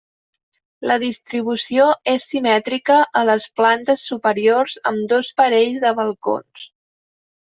La distribució és simètrica a les plantes superiors amb dos parells de balcons.